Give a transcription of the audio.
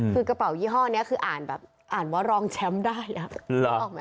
คือกระเป๋ายี่ห้อนี้คืออ่านแบบอ่านว่ารองแชมป์ได้